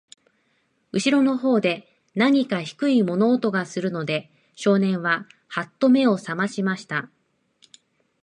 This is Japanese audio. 後ろの方で、なにか低い物音がするので、少年は、はっと目を覚ましました。